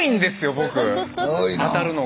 僕当たるのが。